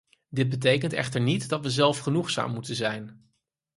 Dit betekent echter niet dat we zelfgenoegzaam moeten zijn.